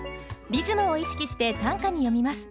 リズムを意識して短歌に詠みます。